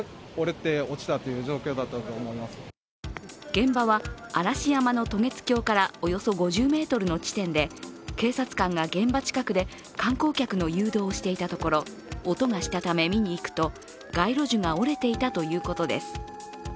現場は嵐山の渡月橋からおよそ５０ｍの地点で、警察官が現場近くで観光客の誘導をしていたところ音がしたため見に行くと街路樹が折れていたということです。